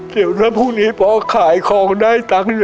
เดี๋ยวถ้าพรุ่งนี้ผมออกขายของได้เงินเยอะ